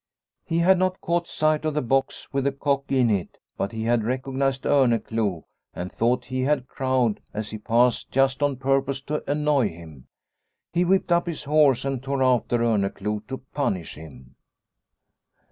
He had not caught sight of the box with the cock in it, but he had recognised Orneclou and thought he had crowed as he passed just on purpose to annoy him. He whipped up his horse and tore after Orneclou to punish him.